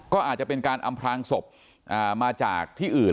ก็อาจจะเป็นการอำพลางศพมาจากที่อื่น